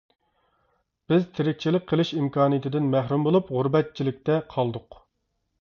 بىز تىرىكچىلىك قىلىش ئىمكانىيىتىدىن مەھرۇم بولۇپ غۇربەتچىلىكتە قالدۇق.